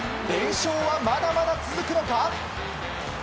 連勝はまだまだ続くのか？